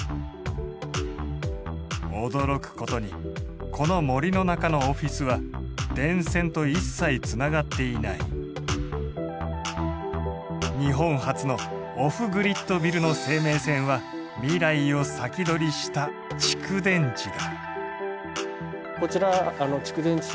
驚くことにこの森の中のオフィスは日本初のオフグリッド・ビルの生命線は未来を先取りした蓄電池だ。